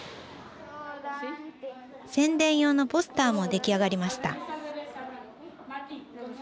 宣伝用のポスターも出来上がりました。